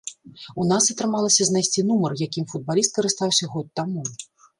У нас атрымалася знайсці нумар, якім футбаліст карыстаўся год таму.